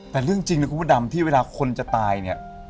แต่เรื่องจริงคุณผู้ดำที่เวลาคนจะตาย